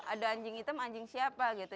ada anjing hitam anjing siapa gitu